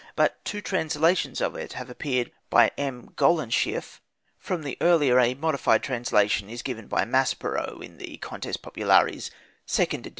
But two translations of it have appeared by M. Golenischeff: from the earlier a modified translation is given by Maspero in the "Contes Populaires," 2nd edit.